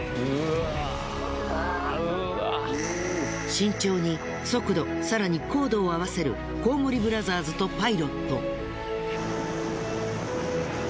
慎重に速度更に高度を合わせるコウモリブラザーズとパイロット。